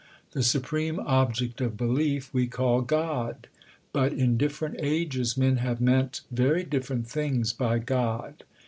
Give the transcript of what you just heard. The supreme object of belief we call God. But in different ages men have meant very different things by God.